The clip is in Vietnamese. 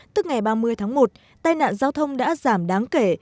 tức ngày ba mươi tháng một tai nạn giao thông đã giảm đáng kể